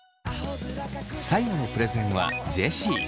最後のプレゼンはジェシー。